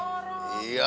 mau nemenin nek orang